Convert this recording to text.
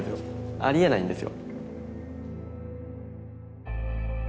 ありえないんですよ。